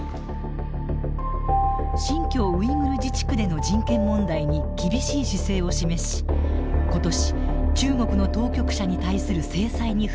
新疆ウイグル自治区での人権問題に厳しい姿勢を示し今年中国の当局者に対する制裁に踏み切りました。